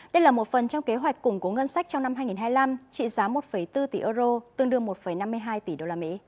đây là một phần trong kế hoạch củng cố ngân sách trong năm hai nghìn hai mươi năm trị giá một bốn tỷ euro tương đương một năm mươi hai tỷ usd